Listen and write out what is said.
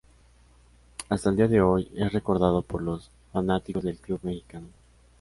Hasta el día de hoy es recordado por los fanáticos del club mexicano.